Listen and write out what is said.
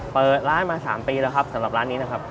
เปิดร้านมา๓ปีแล้วครับสำหรับร้านนี้นะครับ